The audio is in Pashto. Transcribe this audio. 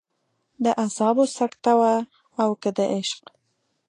د اعصابو سکته وه او که د عشق.